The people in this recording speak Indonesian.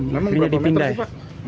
memang berapa meter sih pak